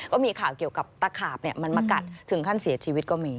ก็มีข่าวเกี่ยวกับตะขาบมันมากัดถึงขั้นเสียชีวิตก็มี